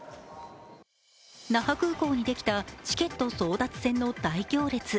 那覇空港にできたチケット争奪戦の大行列。